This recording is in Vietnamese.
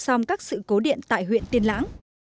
xong các sự cố điện tại huyện tiền lãng